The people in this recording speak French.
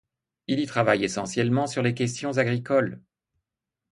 Il y travaille essentiellement sur les questions agricoles.